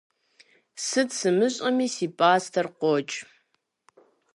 Сыт сымыщӏэми, си пӏастэр къокӏ!